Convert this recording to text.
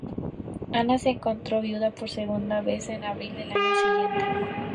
Ana se encontró viuda por segunda vez en abril del año siguiente.